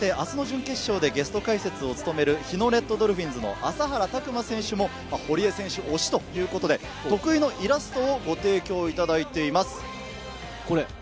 明日の準決勝でゲスト解説を務める日野レッドドルフィンズの浅原拓真選手も堀江選手推しということで得意のイラストをご提供いただいています。